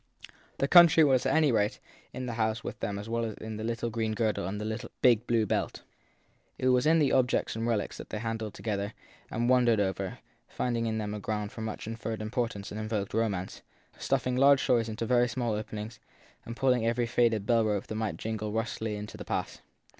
The country was at any rate in the house with them as well as in the little green girdle and in the big blue belt. It was in the objects and relics that they handled together and won dered over, finding in them a ground for much inferred impor tance and invoked romance, stuffing large stories into very small openings and pulling every faded bell rope that might jingle rustily into the past.